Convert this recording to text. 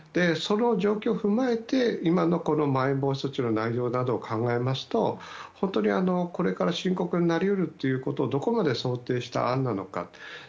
その状況を踏まえて今のまん延防止措置の内容などを考えますと、本当に、これから深刻になり得るということをどこまで想定した案なのか。